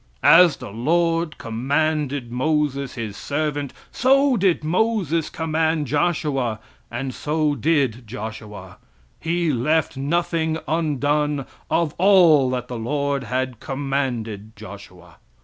"As the Lord commanded Moses His servant, so did Moses command Joshua, and so did Joshua; he left nothing undone of all that the Lord had commanded Joshua.